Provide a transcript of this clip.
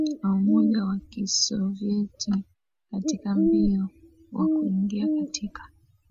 na Umoja wa Kisovyeti katika mbio wa kuingia katika